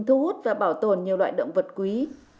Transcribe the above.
thu hút và bảo tồn nhiều loại động vật quý